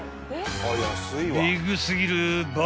［ビッグ過ぎる倍